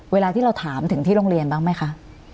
เวลาที่เราถามถึงที่โรงเรียนบ้างไหมคะ